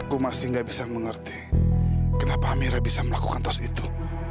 aku masih gak bisa mengerti kenapa amira bisa melakukan tos itu